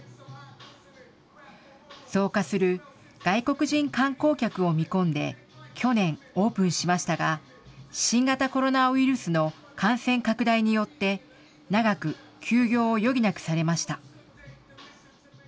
増加する外国人観光客を見込んで、去年、オープンしましたが、新型コロナウイルスの感染拡大によって、長く休業を余儀なくされました。